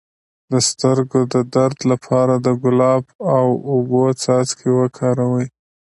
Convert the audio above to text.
د سترګو د درد لپاره د ګلاب او اوبو څاڅکي وکاروئ